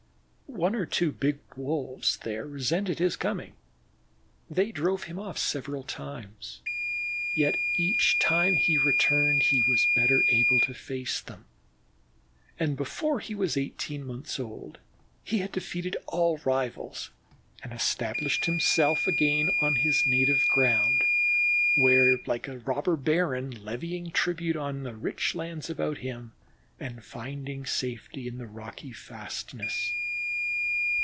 One or two big Wolves there resented his coming. They drove him off several times, yet each time he returned he was better able to face them; and before he was eighteen months old he had defeated all rivals and established himself again on his native ground; where he lived like a robber baron, levying tribute on the rich lands about him and finding safety in the rocky fastness.